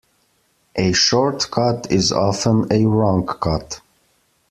A short cut is often a wrong cut.